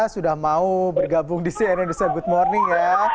sudah mau bergabung di cn indonesia good morning ya